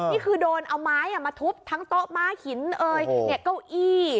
นี่คือโดนเอาไม้มาทุบทั้งโต๊ะม้าหินเอ่ยเก้าอี้